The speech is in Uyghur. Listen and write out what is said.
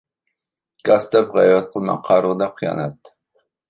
گاس دەپ غەيۋەت قىلما، قارىغۇ دەپ خىيانەت.